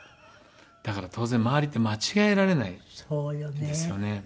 だから当然周りって間違えられないんですよね。